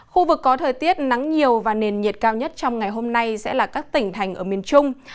khu vực có thời tiết nắng nhiều và nền nhiệt cao nhất trong ngày hôm nay sẽ là các tỉnh thành ở miền trung